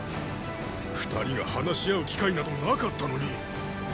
二人が話し合う機会などなかったのに？